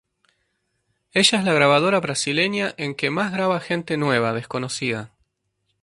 Ella es la grabadora brasileña en que más graba gente nueva, desconocida.